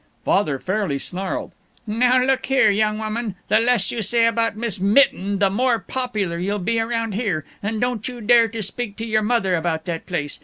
Father fairly snarled, "Now look here, young woman, the less you say about Miss Mitten the more popular you'll be around here. And don't you dare to speak to your mother about that place.